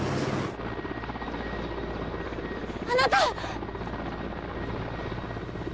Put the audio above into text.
あなた！